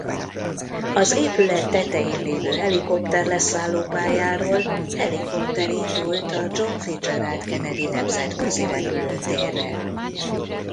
Az épület tetején lévő helikopter-leszállópályáról helikopter indult a John Fitzgerald Kennedy nemzetközi repülőtérre.